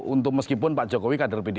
untuk meskipun pak jokowi kader pdi